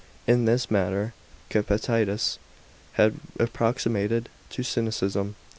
In this matter Kpictetus had approximated to Cynicism.